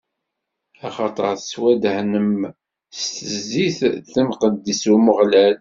Axaṭer tettwadehnem s zzit timqeddest n Umeɣlal.